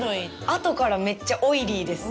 後から、めっちゃオイリーです。